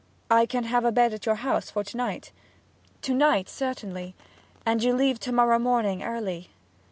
I can have a bed at your house for to night?' 'To night, certainly. And you leave to morrow morning early?'